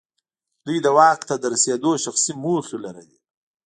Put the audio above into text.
دوی د واک ته رسېدو شخصي موخې لرلې.